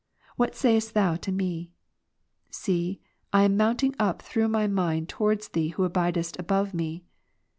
What sayest Thou to me ? See, I am mounting up through my mind towards Thee who abidest above me.